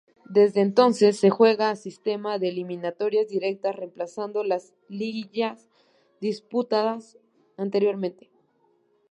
Desde entonces se juega a sistema de eliminatorias directas, reemplazando las liguillas disputadas anteriormente.